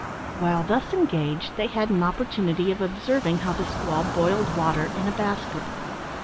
While thus engaged, they had an opportunity of observing how the squaw boiled water in a basket.